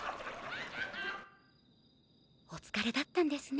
おつかれだったんですね